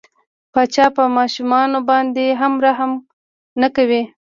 پاچا په ماشومان باندې هم رحم نه کوي.